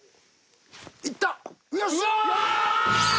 いった。